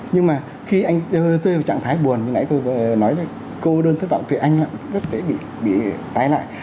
nhưng mà khi anh rơi vào trạng thái buồn như nãy tôi nói cô đơn thất vọng thì anh rất dễ bị tái lại